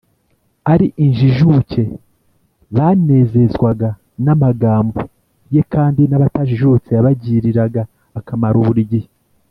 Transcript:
ari injijuke banezezwaga n’amagambo ye, kandi n’abatajijutse yabagiriraga akamaro buri gihe